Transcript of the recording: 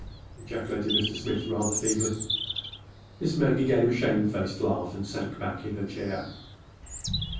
ejaculated Mr. Smith, rather feebly. Miss Maggie gave a shamefaced laugh and sank back in her chair.